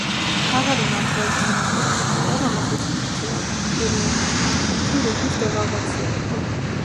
მთავარი მაკროეკონომიკური იდეა, რომელსაც განიხილავდნენ კირიენკოს კაბინეტში, რუბლის დევალვაცია იყო.